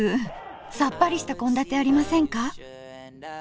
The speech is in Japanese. さっぱりした献立ありませんか？